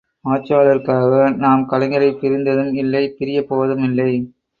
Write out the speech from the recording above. ஆட்சியாளர்களுக்காக நாம் கலைஞரைப் பிரிந்ததும் இல்லை பிரியப் போவதும் இல்லை!